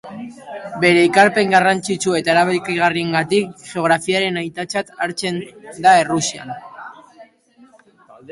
Bere ekarpen garrantzitsu eta erabakigarriengatik, geografiaren aitatzat hartzen da Errusian.